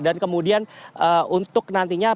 dan kemudian untuk nantinya